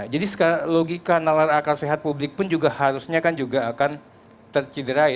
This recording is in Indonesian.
jadi logika nalar akal sehat publik pun harusnya akan tercederai